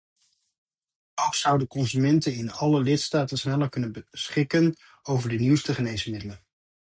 Ook zouden consumenten in alle lidstaten sneller kunnen beschikken over de nieuwste geneesmiddelen.